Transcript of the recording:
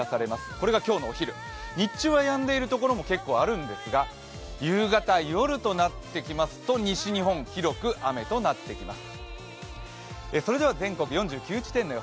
これが今日のお昼、日中はやんでいるところも結構あるんですが夕方、夜となってきますと、西日本、広く雨となってきます。